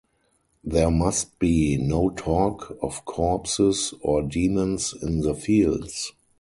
There must be no talk of corpses or demons in the fields.